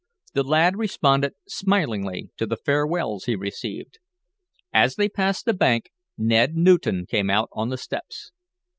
The lad responded smilingly to the farewells he received. As they passed the bank, Ned Newton came out on the steps.